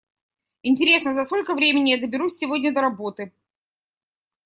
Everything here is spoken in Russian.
Интересно, за сколько времени я доберусь сегодня до работы?